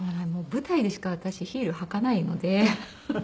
舞台でしか私ヒール履かないので。